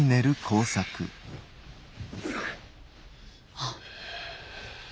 あっ。